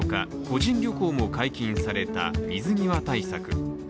個人旅行も解禁された水際対策。